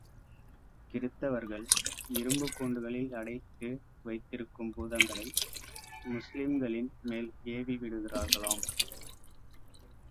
கிறிஸ்தவர்கள் இரும்புக்கூண்டுகளில் அடைத்து வைத்திருக்கும் பூதங்களை முஸ்லிம்களின் மேல் ஏவிவிடுகிறார்களாம்.